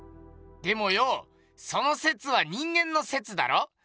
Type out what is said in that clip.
でもよその説は人間の説だろ？